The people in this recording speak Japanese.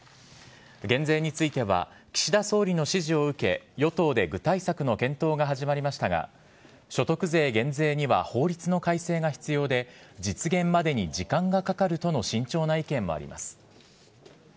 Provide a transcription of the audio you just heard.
減税については、岸田総理の指示を受け、与党で具体策の検討が始まりましたが、所得税減税には法律の改正が必要で、実現までに時間がかかるとの慎重な意見もあります。